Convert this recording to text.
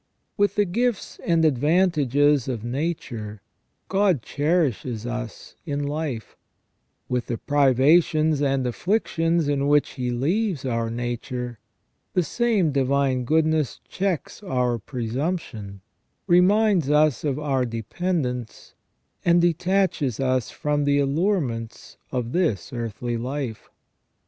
With the gifts and advantages of nature God cherishes us in life : with the privations and afflictions in which He leaves our nature, the same divine goodness checks our presumption, reminds us of our depen dence, and detaches us from the allurements of this earthly life.